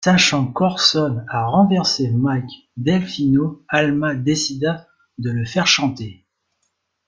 Sachant qu'Orson a renversé Mike Delfino, Alma décida de le faire chanter.